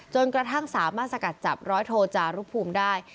จนกระทั่งสามารถสกัดจับร้อยโทจารุภูมิได้